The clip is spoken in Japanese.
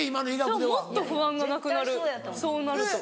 もっと不安がなくなるそうなると。